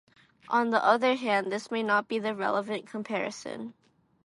On the other hand, this may not be the relevant comparison.